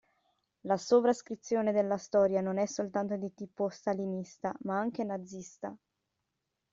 La sovrascrizione della storia non è soltanto di tipo stalinista ma anche nazista.